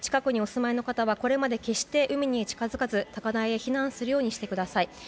近くにお住まいの方は決して海に近づかず高台に避難するようにしてください。